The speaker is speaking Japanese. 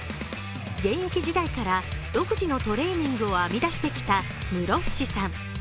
現役時代から独自のトレーニングを編み出してきた室伏さん。